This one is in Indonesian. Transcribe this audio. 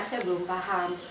saya belum paham